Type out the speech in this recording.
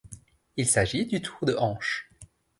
Il s'agit du tour de hanches.